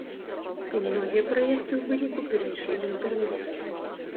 І многія праекты ў выніку перайшлі ў інтэрнэт.